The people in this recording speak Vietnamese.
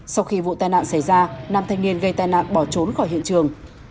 sau khi vụ tai nạn xảy ra nam thanh niên gây tai nạn bỏ trốn khỏi hiện trường